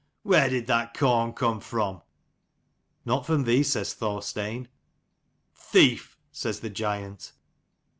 "Where did that corn come from?" "Not from thee," says Thorstein. "Thief!" says the giant.